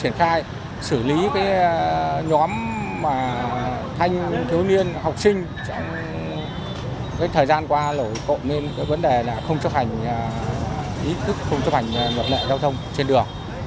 nhóm thanh thiếu niên học sinh thời gian qua lỗi cộng nên vấn đề là không chấp hành ý thức không chấp hành luật lệ giao thông trên đường